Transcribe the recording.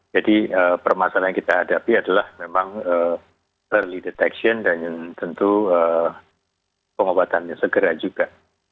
jadi permasalahan yang kita hadapi adalah memang early detection dan tentu pengobatannya segera juga